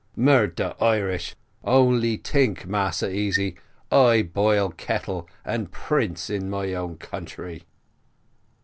Murder Irish! only tink, Massa Easy I boil kettle, and prince in my own country!"